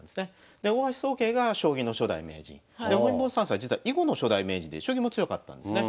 で大橋宗桂が将棋の初代名人。で本因坊算砂は実は囲碁の初代名人で将棋も強かったんですね。